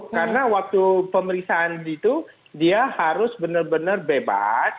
karena waktu pemeriksaan itu dia harus benar benar bebas